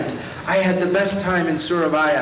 saya memiliki waktu terbaik di surabaya